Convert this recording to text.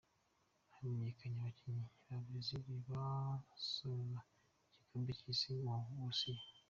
Hamenyekanye abakinyi ba Brezil bazoja mu gikombe c'isi mu Burusiya.